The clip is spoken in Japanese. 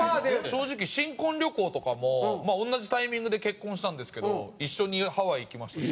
正直新婚旅行とかもまあ同じタイミングで結婚したんですけど一緒にハワイ行きましたし。